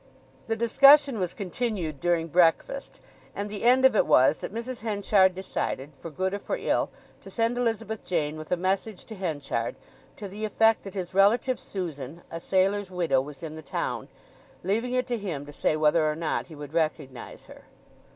The discussion was continued during breakfast, and the end of it was that Mrs. Henchard decided, for good or for ill, to send Elizabeth Jane with a message to Henchard, to the effect that his relative Susan, a sailor's widow, was in the town; leaving it to him to say whether or not he would recognize her.